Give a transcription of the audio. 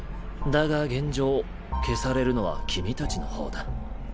だが現状消されるのは君たちの方だ。